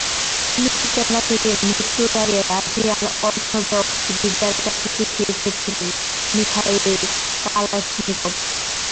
অনুশোচনা থেকে মৃত্যুর আগে রাশিয়ার অর্থোডক্স গির্জার কাছে চিঠি লিখেছিলেন মিখাইল কালাশনিকভ।